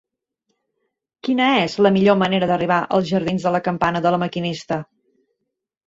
Quina és la millor manera d'arribar als jardins de la Campana de La Maquinista?